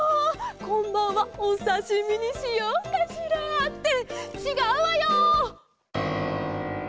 こんばんはおさしみにしようかしら？ってちがうわよ！